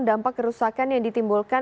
di palu simply